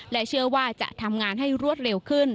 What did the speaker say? และเชื่อว่าจะทำงานให้รวดเร็วขึ้น